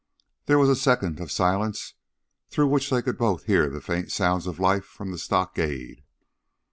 There was a second of silence through which they could both hear the faint sounds of life from the stockade.